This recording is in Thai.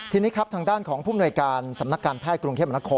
ทีนี้ครับทางด้านของผู้มนวยการสำนักการแพทย์กรุงเทพมนาคม